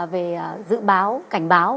về dự báo cảnh báo